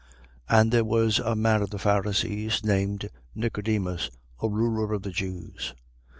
3:1. And there was a man of the Pharisees, named Nicodemus, a ruler of the Jews.